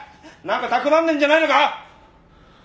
何かたくらんでんじゃないのか？